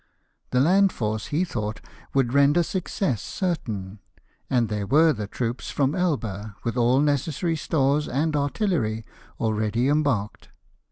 The land force, he thought, would render success certain ; and there were the troops from Elba, with all necessary stores and artillery, already embarked.